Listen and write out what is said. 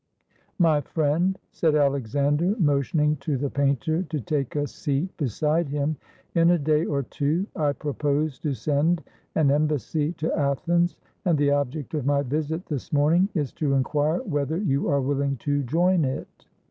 "My friend," said Alexander, motioning to the painter to take a seat beside him, "in a day or two I propose to send an embassy to Athens, and the object of my visit this morning is to inquire whether you are willing to join it."